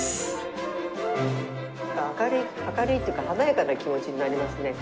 明るい明るいっていうか華やかな気持ちになりますね